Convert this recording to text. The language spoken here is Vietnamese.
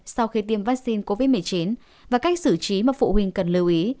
sau khi tiêm vaccine covid một mươi chín và cách xử trí mà phụ huynh cần lưu ý